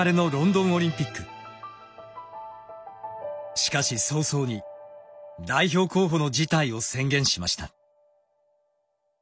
しかし早々に代表候補の辞退を宣言しました。